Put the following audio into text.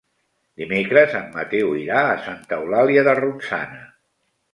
Dimecres en Mateu irà a Santa Eulàlia de Ronçana.